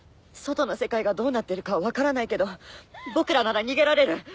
外の世界がどうなってるかは分からないけど僕らなら逃げられる。